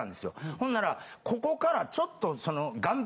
ほんならここからちょっと岸壁